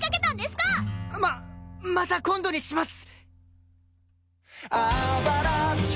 ままた今度にします！